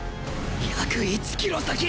約１キロ先！